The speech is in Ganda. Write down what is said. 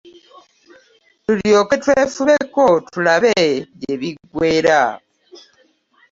Tulyoke twefubeko tulabe gye biggweera.